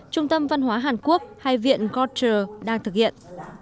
trung tâm văn hóa hàn quốc hay viện goter đang thực hiện